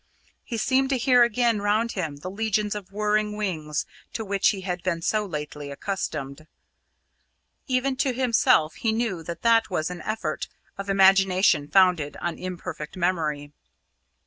He seemed to hear again around him the legions of whirring wings to which he had been so lately accustomed. Even to himself he knew that that was an effort of imagination founded on imperfect memory.